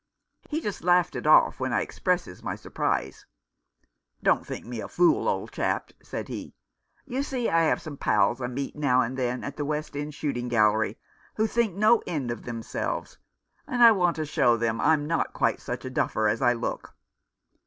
"He just laughed it off when I expresses my surprise. ' Don't think me a fool, old chap,' says he. ' You see, I've some pals I meet now and then at a West End shooting gallery who think no end of themselves ; and I want to show them I'm not quite such a duffer as I look.'